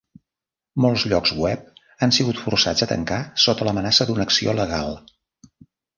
Molts llocs web han sigut forçats a tancar sota l'amenaça d'una acció legal.